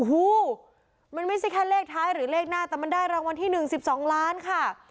หูมันไม่ใช่แค่เลขท้ายหรือเลขหน้าแต่มันได้รางวัลที่๑๒ล้านค่ะ